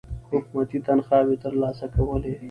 حکومتي تنخواوې تر لاسه کولې.